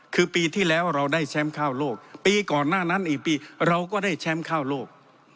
คือปีที่แล้วเราได้แชมป์ข้าวโลกปีก่อนหน้านั้นอีกปีเราก็ได้แชมป์ข้าวโลก